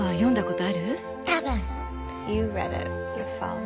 多分。